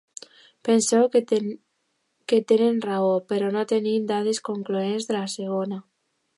Penso que tenen raó, però no tenim dades concloents de la segona.